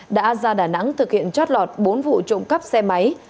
đã ra đà nẵng thực hiện chót lọt bốn vụ trộm cắp xe máy